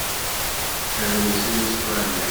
Terwel seg Ustṛalya.